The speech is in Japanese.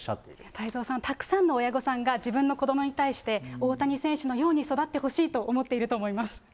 太蔵さん、たくさんの親御さんが、自分の子どもに対して、大谷選手のように育ってほしいと思っていると思います。